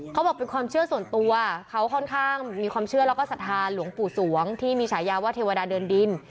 เขาบอกเป็นความเชื่อส่วนตัวเขาค่อนข้างมีความเชื่อแล้วก็ศรัทธาหลวงปู่สวงที่มีฉายาว่าเทวดาเดินดิน